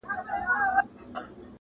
که مي دوی نه وای وژلي دوی وژلم!!